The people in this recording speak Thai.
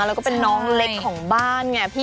แล้วก็เป็นน้องเล็กของบ้านไงพี่